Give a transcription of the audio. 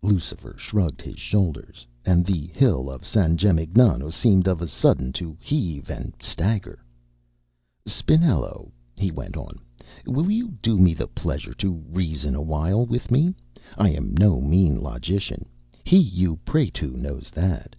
Lucifer shrugged his shoulders, and the hill of San Gemignano seemed of a sudden to heave and stagger. "Spinello," he went on, "will you do me the pleasure to reason awhile with me? I am no mean Logician; He you pray to knows that."